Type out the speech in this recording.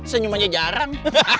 senyum aja jarang